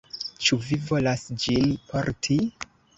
Ĉu vi volas ĝin porti?